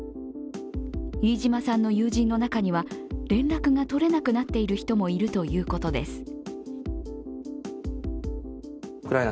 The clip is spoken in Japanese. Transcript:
飯島さんの友人の中には連絡が取れなくなっている人もいるということです。